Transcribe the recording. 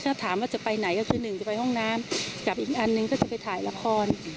ถ้าถามว่าจะไปไหนก็คือหนึ่งจะไปห้องน้ำกับอีกอันหนึ่งก็จะไปถ่ายละคร